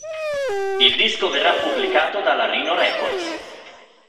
Il disco verrà pubblicato dalla Rhino Records.